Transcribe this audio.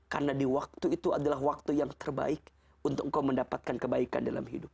karena di waktu itu adalah waktu yang terbaik untuk kau mendapatkan kebaikan dalam hidup